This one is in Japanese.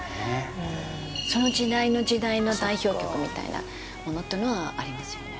うんその時代の時代の代表曲みたいなものっていうのはありますよね